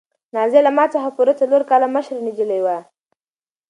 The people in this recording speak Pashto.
نازیه له ما څخه پوره څلور کاله مشره نجلۍ وه.